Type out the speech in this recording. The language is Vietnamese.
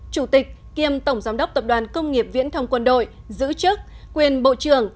chủ tịch kiêm tổng giám đốc tập đoàn công nghiệp viễn thông quân đội giữ chức quyền bộ trưởng